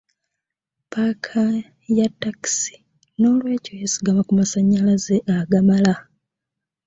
Paaka ya takisi n'olwekyo yeesigama ku masanyalaze agamala.